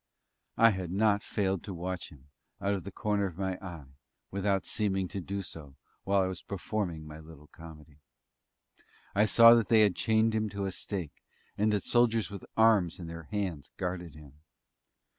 I had not failed to watch him, out of the corner of my eye, without seeming to do so, while I was performing my little comedy! I saw that they had chained him to a stake, and that soldiers with arms in their hands guarded him.